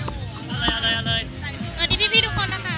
เอาที่ที่ที่ทุกคนนะคะ